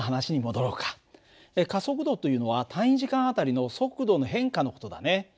加速度というのは単位時間あたりの速度の変化の事だね。